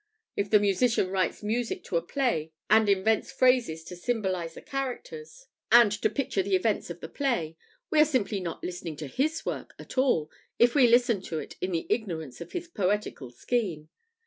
If the musician writes music to a play and invents phrases to symbolize the characters and to picture the events of the play, we are simply not listening to his work at all if we listen to it in the ignorance of his poetical scheme.